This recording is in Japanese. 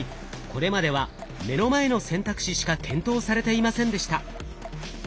これまでは目の前の選択肢しか検討されていませんでした。